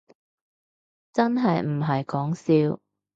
真係唔係講笑